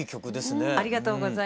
ありがとうございます。